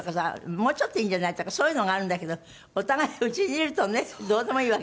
「もうちょっといいじゃない」とかそういうのがあるんだけどお互いうちにいるとねどうでもいいわけだから。